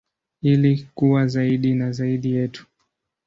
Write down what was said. Ili kuwa zaidi na zaidi yetu.